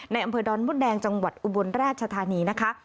ในอำเภอดอนมุ่นแดงจังหวัดอุบลแร่ชธานี